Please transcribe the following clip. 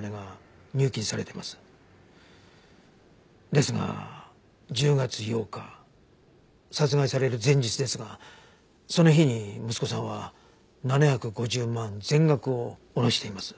ですが１０月８日殺害される前日ですがその日に息子さんは７５０万全額を下ろしています。